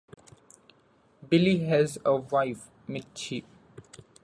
Billy has a wife, Michi.